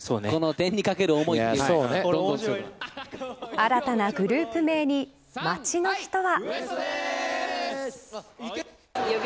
新たなグループ名に街の人は。